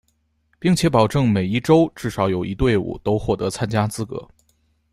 并且保证每一洲至少有一队伍都获得参加资格。